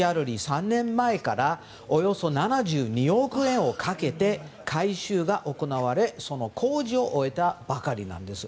３年前からおよそ７２億円をかけて改修が行われ工事を終えたばかりなんです。